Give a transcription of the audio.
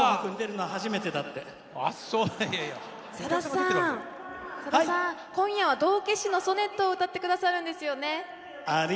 さださん、今夜は「道化師のソネット」を歌ってくださるんですよね。